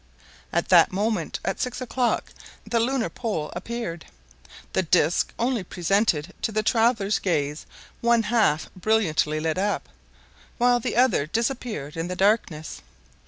At that moment, at six o'clock, the lunar pole appeared. The disc only presented to the travelers' gaze one half brilliantly lit up, while the other disappeared in the darkness.